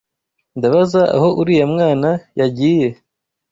Ndabaza aho uriya mwana yagiye?